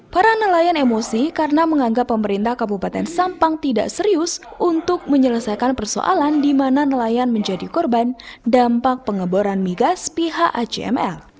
para nelayan emosi karena menganggap pemerintah kabupaten sampang tidak serius untuk menyelesaikan persoalan di mana nelayan menjadi korban dampak pengeboran migas pihak acml